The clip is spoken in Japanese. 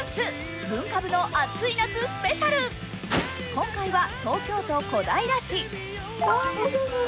今回は東京都小平市。